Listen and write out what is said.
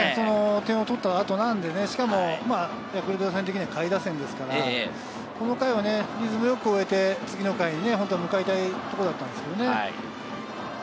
点を取った後なので、ヤクルト打線的に下位打線ですから、この回はリズムよく終えて次の回を迎えたいところだったんですけどね。